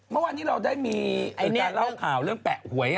เมื่อวานนี้เราได้มีการเล่าข่าวเรื่องแปะหวย